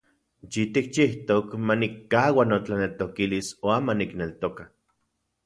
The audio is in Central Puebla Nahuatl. Yitikchijtok manikkaua notlaneltokilis uan manikneltoka.